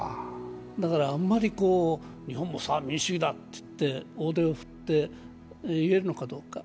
だから、あまり日本も、さあ民主主義だと大手を振って言えるのかどうか。